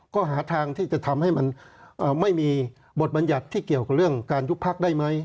ก็หาทางที่จะทำให้มันไม่มีบทบัญญัติที่เกี่ยวกับเรื่องการยุบพักได้ไหม